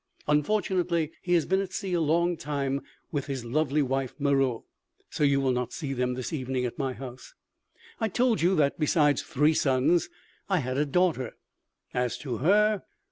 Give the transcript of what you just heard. Unfortunately he has been at sea a long time with his lovely wife Meroë; so you will not see them this evening at my house. I told you that besides three sons I had a daughter ... as to her!